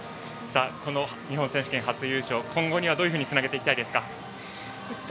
この日本選手権初優勝今後にはどういうふうにつなげていきたいですか？